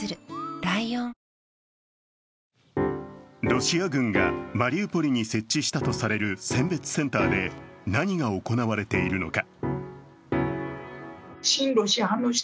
ロシア軍がマリウポリに設置したとされる選別センターで何が行われているのか。